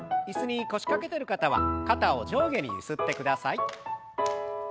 椅子に腰掛けてる方は肩を上下にゆすってください。